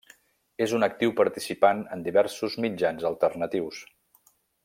És un actiu participant en diversos mitjans alternatius.